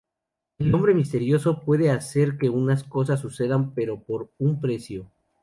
El hombre misterioso puede hacer que esas cosas sucedan, pero por un precio.